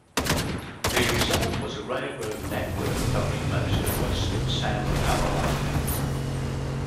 The result was a railroad network covering most of western South Carolina.